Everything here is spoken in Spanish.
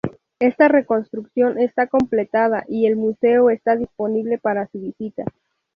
Está reconstrucción está completada, y el museo está disponible para su visita